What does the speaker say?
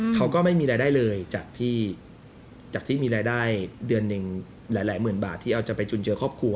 เขาก็ไม่มีรายได้เลยจากที่มีรายได้เดือนหนึ่งหลายหมื่นบาทที่เอาจะไปจุนเจอครอบครัว